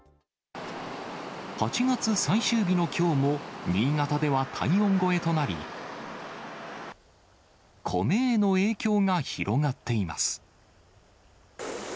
８月最終日のきょうも、新潟では体温超えとなり、米への影響が広がっています。